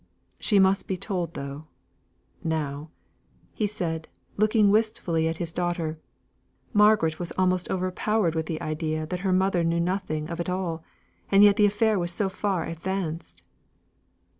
She must be told though, now," said he, looking wistfully at his daughter. Margaret was almost overpowered with the idea that her mother knew nothing of it all, and yet the affair was so far advanced!